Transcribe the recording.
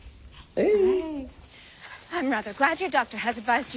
うん？